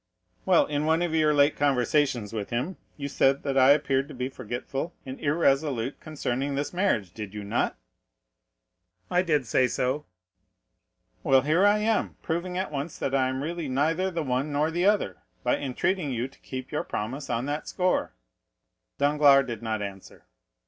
"Well, in one of your late conversations with him, you said that I appeared to be forgetful and irresolute concerning this marriage, did you not?" "I did say so." "Well, here I am, proving at once that I am really neither the one nor the other, by entreating you to keep your promise on that score." Danglars did not answer.